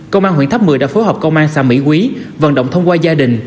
công an huyện tháp mười đã phối hợp công an xã mỹ quý vận động thông qua gia đình